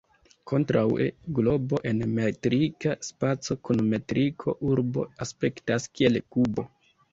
Kontraŭe, globo en metrika spaco kun metriko "urbo" aspektas kiel kubo.